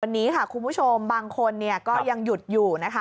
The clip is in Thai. วันนี้ค่ะคุณผู้ชมบางคนเนี่ยก็ยังหยุดอยู่นะคะ